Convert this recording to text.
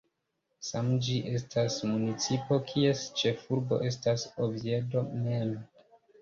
Same ĝi estas municipo kies ĉefurbo estas Oviedo mem.